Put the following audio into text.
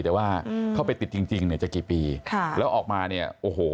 แต่ว่าเข้าไปติดจริงจริงเนี่ยจะกี่ปีค่ะแล้วออกมาเนี่ยโอ้โห